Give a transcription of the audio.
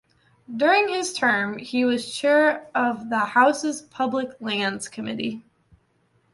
During his term, he was chair of the House's Public Lands Committee.